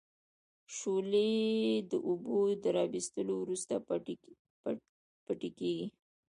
شولې د اوبو را وېستلو وروسته بټۍ کیږي.